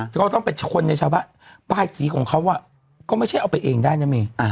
จะต้องไปชนในชาวบ้านปลายสีของเขาก็ไม่ใช่เอาไปเองได้นะเม